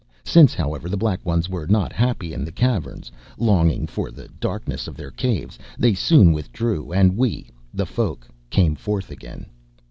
Since, however, the Black Ones were not happy in the Caverns, longing for the darkness of their caves, they soon withdrew and we, the Folk, came forth again.